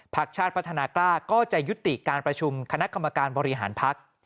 ชาติพัฒนากล้าก็จะยุติการประชุมคณะกรรมการบริหารพัก